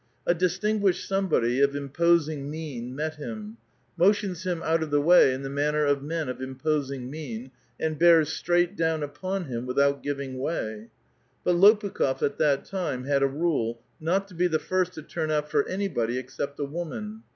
A distinguished somebody, of imposing mien, met him, motions him out of the wa}* in the manner of men of imposing mien, and bears straight down upon him without giving way. But Lopukh6f, at that time, had a rule, not to be the first to turn out for anybody except a woman.